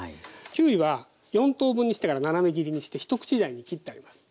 キウイは４等分にしてから斜め切りにして一口大に切ってあります。